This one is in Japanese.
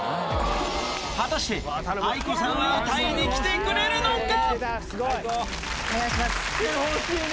果たして、ａｉｋｏさんは歌いに来てくれるのか？